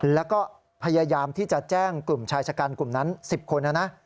แล้วก็พยายามที่จะแจ้งกลุ่มชายชะกันกลุ่มนั้น๑๐คนนะนะ